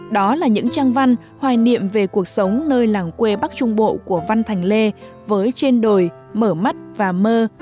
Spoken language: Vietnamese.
đó là những trang văn hoài niệm về cuộc sống nơi làng quê bắc trung bộ của văn thành lê với trên đồi mở mắt và mơ